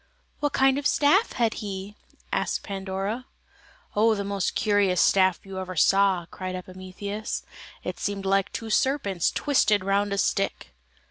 "What kind of a staff had he?" asked Pandora. "Oh, the most curious staff you ever saw," cried Epimetheus: "it seemed like two serpents twisted round a stick."